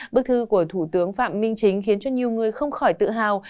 bức thư của thủ tướng phạm minh chính khiến cho nhiều người không khỏi tự hào